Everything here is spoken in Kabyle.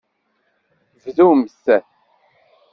Bdumt.